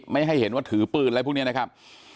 ให้เห็นว่าถือปืนอะไรพวกนี้นะครับ